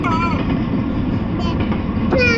西尔泉是美国阿拉巴马州下属的一座城市。